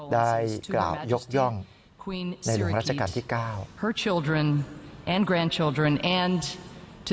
ได้กล่าวยกย่องในหลวงราชการที่๙